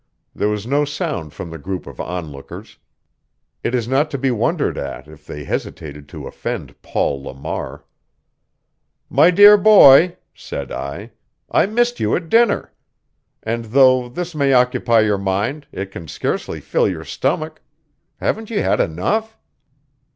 There was no sound from the group of onlookers; it is not to be wondered at if they hesitated to offend Paul Lamar. "My dear boy," said I, "I missed you at dinner. And though this may occupy your mind, it can scarcely fill your stomach. Haven't you had enough?"